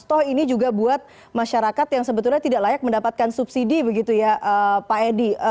toh ini juga buat masyarakat yang sebetulnya tidak layak mendapatkan subsidi begitu ya pak edi